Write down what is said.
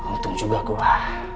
untung juga gua